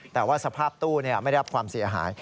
แต่ว่าสภาพตู้ไม่ได้รับความเสียหาย